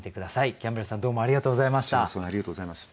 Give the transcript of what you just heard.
キャンベルさんどうもありがとうございました。